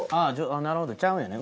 なるほどちゃうんやね。